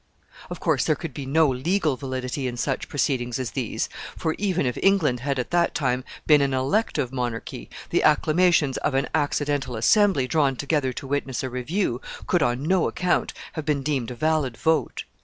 Of course there could be no legal validity in such proceedings as these, for, even if England had at that time been an elective monarchy, the acclamations of an accidental assembly drawn together to witness a review could on no account have been deemed a valid vote.